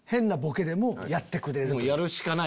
やるしかない